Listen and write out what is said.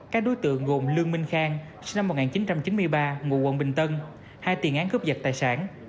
các đối tượng gồm lương minh khang sinh năm một nghìn chín trăm chín mươi ba ngụ quận bình tân hai tiền án cướp giật tài sản